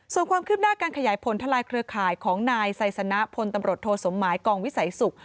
ส่วนความคืบหน้าการขยายผลทลายเครือข่ายของนายไซสนะพลตำรวจโทสมหมายกองวิสัยศุกร์